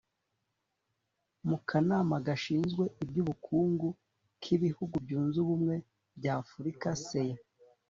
mu kanama gashinzwe iby'ubukungu k'ibihugu byunze ubumwe by'afurika (cea).